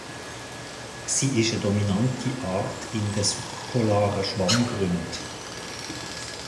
Sie ist eine dominante Art in den subpolaren Schwammgründen.